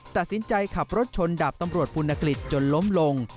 ตัดสินใจขับรถชนดาบตำรวจปุณกฤษจนล้มลง